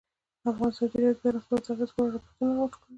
ازادي راډیو د ترانسپورټ د اغېزو په اړه ریپوټونه راغونډ کړي.